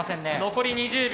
残り２０秒。